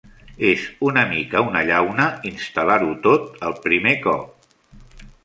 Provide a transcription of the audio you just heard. És una mica una llauna instal·lar-ho tot el primer cop.